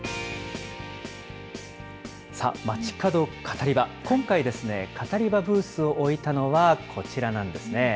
街角カタリバ、今回ですね、カタリバブースを置いたのは、こちらなんですね。